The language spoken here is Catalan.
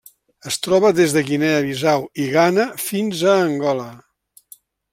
Es troba des de Guinea Bissau i Ghana fins a Angola.